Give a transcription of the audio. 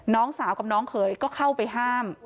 น้องสาวกับน้องเขยก็เข้าไปห้าม